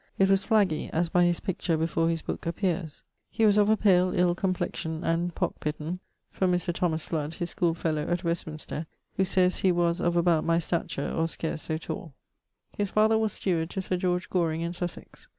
It was flaggy, as by his picture before his booke appeares. He was of a pale ill complexion and pock pitten from Mr. Thomas Fludd, his scholefellow at Westminster, who sayes he was of about my stature or scarce so tall. His father was steward to Sir George Goring in Sussex.